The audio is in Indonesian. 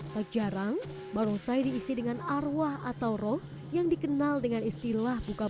tak jarang barongsai diisi dengan arwah atau roh yang dikenal dengan istilah buka puasa